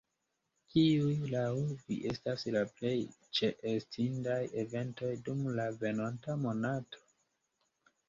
Kiuj laŭ vi estas la plej ĉeestindaj eventoj dum la venonta monato?